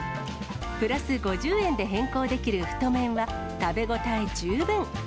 プラス５０円で変更できる太麺は、食べ応え十分。